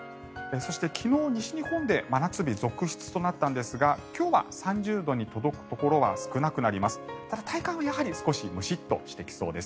そして昨日、西日本で真夏日続出となったんですが今日は３０度に届くところは少なくなります。